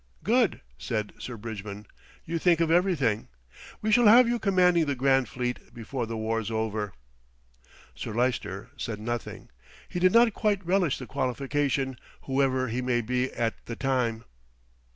"Good!" said Sir Bridgman. "You think of everything. We shall have you commanding the Grand Fleet before the war's over."' Sir Lyster said nothing. He did not quite relish the qualification "whoever he may be at the time."